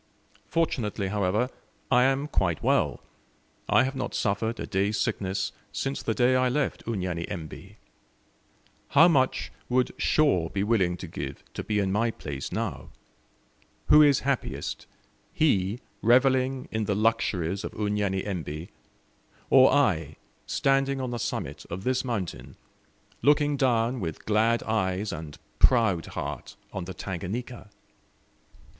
Fortunately, however, I am quite well; I have not suffered a day's sickness since the day I left Unyanyembe. How much would Shaw be willing to give to be in my place now? Who is happiest he revelling in the luxuries of Unyanyembe, or I, standing on the summit of this mountain, looking down with glad eyes and proud heart on the Tanganika?